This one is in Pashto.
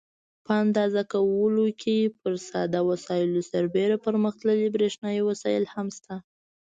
په اندازه کولو کې پر ساده وسایلو سربیره پرمختللي برېښنایي وسایل هم شته.